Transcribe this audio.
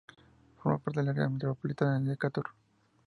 Forma parte del área metropolitana de Decatur.